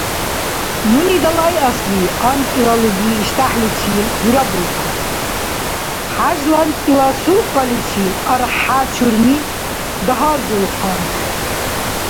Нуни далайасли анкӀила луги иштяхӀличил дурабулхъан, хӀяжланкӀила сулкъаличир архӀя чурми дагьардулхъан.